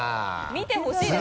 見てほしいですよね。